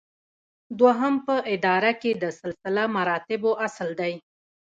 دوهم په اداره کې د سلسله مراتبو اصل دی.